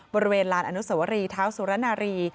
บริเวณลานอนุสวรีเท้าสุรณารี